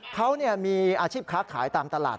เขามีอาชีพค้าขายตามตลาด